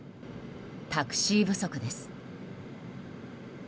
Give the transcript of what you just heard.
タクシー不足です。